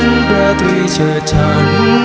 ตื่นกันเหลือจวบหวนประทุยเชิดฉัน